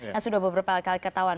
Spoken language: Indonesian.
yang sudah beberapa kali ketahuan